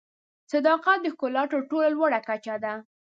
صداقت د ښکلا تر ټولو لوړه کچه ده.